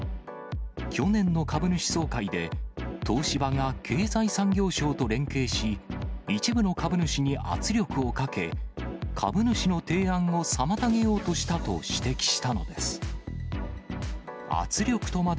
去年の株主総会で、東芝が経済産業省と連携し、一部の株主に圧力をかけ、株主の提案を妨げようとしたと指摘したのです。